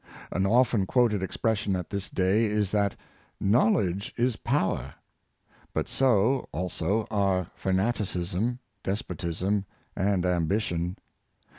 An often quoted expression at this day is that " Knowledge is power; " but so, also, are fanaticism, despotism, and ambition.